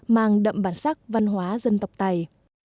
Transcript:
mang đậm bản sắc văn hóa dân tộc tày